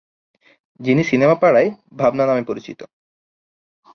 যিনি সিনেমা পাড়ায় "ভাবনা" নামে পরিচিত।